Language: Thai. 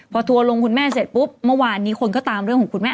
พอทัวร์ลงคุณแม่เสร็จปุ๊บเมื่อวานนี้คนก็ตามเรื่องของคุณแม่